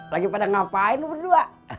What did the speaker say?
lagi pada ngapain berdua